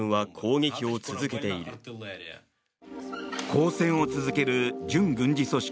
抗戦を続ける準軍事組織